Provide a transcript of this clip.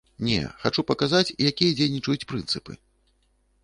Не, хачу паказаць, якія дзейнічаюць прынцыпы.